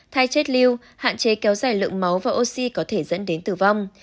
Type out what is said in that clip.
thai chết lưu hạn chế kéo dài lượng máu và oxy có thể dẫn đến tử vong